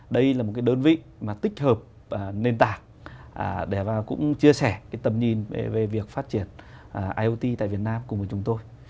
đây là một đơn vị tích hợp nền tảng để chia sẻ tầm nhìn về việc phát triển iot tại việt nam cùng với chúng tôi